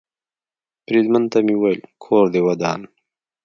بریدمن ته مې وویل: کور دې ودان.